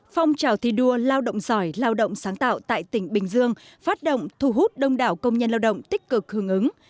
phong trào thi đua lao động giỏi lao động sáng tạo tại tỉnh bình dương phát động thu hút đông đảo công nhân lao động tích cực hưởng ứng